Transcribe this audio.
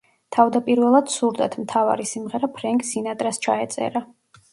თავდაპირველად სურდათ, მთავარი სიმღერა ფრენკ სინატრას ჩაეწერა.